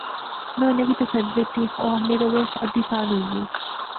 میں انیں کی تسلی دیتی۔ او آخنے لغے، ادھی سال ہوئی گئی